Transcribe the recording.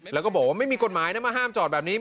แล้วก็บอกว่าไม่มีกฎหมายนะมาห้ามจอดแบบนี้